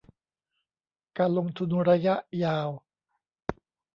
การลงทุนระยะยาว